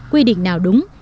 quy định nào đúng